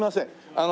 あの。